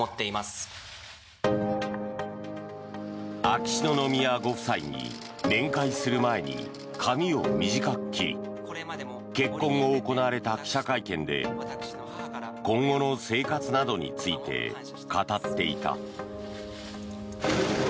秋篠宮ご夫妻に面会する前に髪を短く切り結婚後行われた記者会見で今後の生活などについて語っていた。